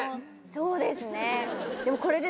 そうですね。